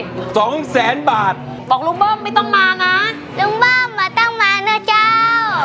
สองแสนบาทบอกลุงเบิ้มไม่ต้องมานะลุงเบิ้มอ่ะต้องมานะเจ้า